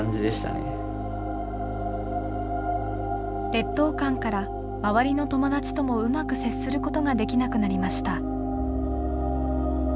劣等感から周りの友達ともうまく接することができなくなりました。